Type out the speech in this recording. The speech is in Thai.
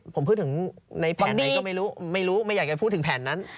ผมพูดถึงในฝั่งไหนก็ไม่รู้ไม่รู้ไม่อยากจะพูดถึงแผนนั้น